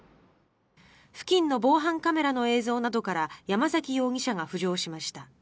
付近の防犯カメラの映像などから山崎容疑者が浮上しました。